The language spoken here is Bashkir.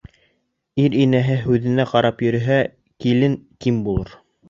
Ир инәһе һүҙенә ҡарап йөрөһә, килен ким булыр